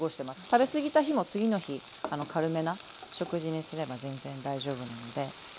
食べ過ぎた日も次の日軽めな食事にすれば全然大丈夫なので。